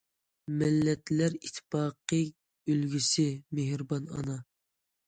مىللەتلەر ئىتتىپاقلىقى ئۈلگىسى، مېھرىبان ئانا!